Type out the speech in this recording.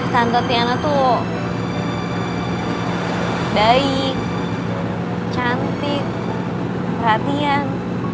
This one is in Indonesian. tante tiana tuh baik cantik perhatian